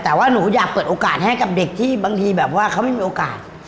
แต่ว่าหนูอยากเปิดโอกาสให้กับเด็กที่บางทีแบบว่าเขาไม่มีโอกาส